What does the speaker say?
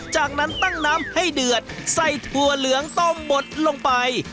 จากนั้นตั้งน้ำให้เดือดใส่ถั่วเหลืองต้มบดลงไป